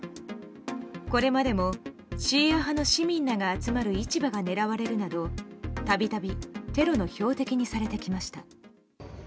これまでもシーア派の市民らが集まる市場が狙われるなど、たびたびテロの標的にされてきました。